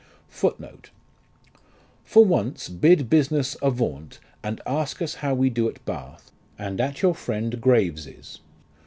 1 1 "For once bid business avaunt, and ask us how we do at Bath, and at your friend Graves' s.